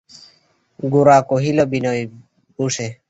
গোরা কহিল, বিনয়, বোসো।